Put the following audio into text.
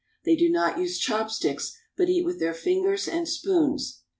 They do not use chopsticks, but eat with their fingers and spoons.